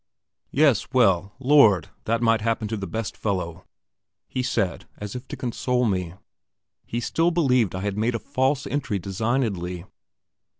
"Yes, well, Lord! that might happen to the best fellow," he said, as if to console me. He still believed I had made a false entry designedly.